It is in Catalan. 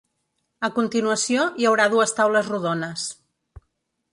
A continuació hi haurà dues taules rodones.